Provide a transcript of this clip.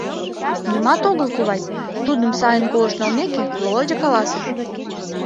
— Нимат огыл, кувай, — тудым сайын колышт налмеке, Володя каласыш.